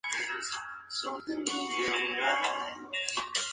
El organismo cuenta con la sede de la Secretaria General en España.